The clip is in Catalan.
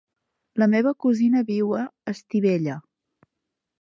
La meva cosina viu a Estivella.